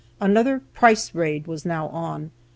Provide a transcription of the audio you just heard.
Another "Price Raid" was now on.